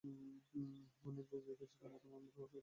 অনেক লোক দেখিয়াছি কিন্তু তেমন ভালোমানুষ আর দেখিলাম না।